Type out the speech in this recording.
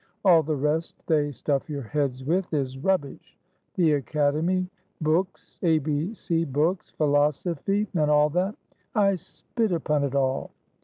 All the rest they stuff your heads with is rub bish ; the academy, books, ABC books, philosophy, and all that, I spit upon it all!"